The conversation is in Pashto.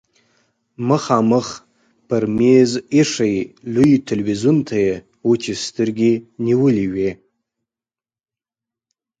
مخامخ پر مېز ايښي لوی تلويزيون ته يې وچې سترګې نيولې وې.